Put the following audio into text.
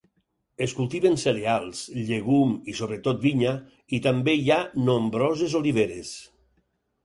Es cultiven cereals, llegum i sobretot vinya i també hi ha nombroses oliveres.